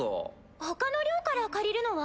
ほかの寮から借りるのは？